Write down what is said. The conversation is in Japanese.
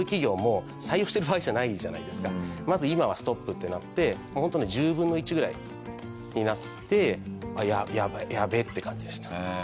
まず今はストップってなってホントに１０分の１ぐらいになってやべえって感じでした。